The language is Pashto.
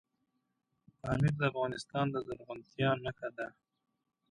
پامیر د افغانستان د زرغونتیا نښه ده.